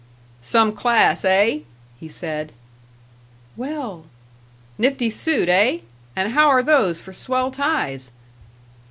"Some class, eh?" he said. "Well " "Nifty suit, eh? And how are those for swell ties?"